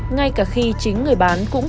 ngay cả khi chính người bán cũng không có sản phẩm